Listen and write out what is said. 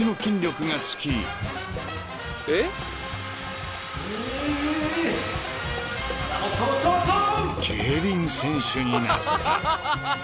［競輪選手になった］